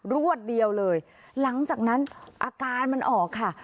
รวดเดียวเลยหลังจากนั้นอาการมันออกค่ะ